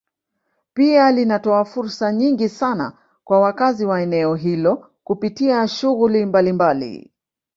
Pia linatoa fursa nyingi sana kwa wakazi wa eneo hilo kupitia shughuli mbalimbali